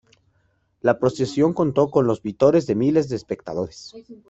La procesión contó con los vítores de miles de espectadores.